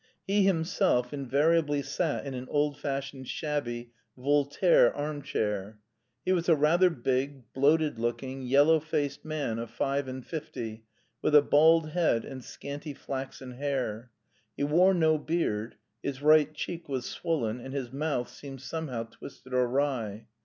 He himself invariably sat in an old fashioned shabby Voltaire arm chair. He was a rather big, bloated looking, yellow faced man of five and fifty, with a bald head and scanty flaxen hair. He wore no beard; his right cheek was swollen, and his mouth seemed somehow twisted awry.